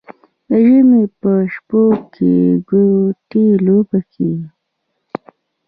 د ژمي په شپو کې ګوتې لوبه کیږي.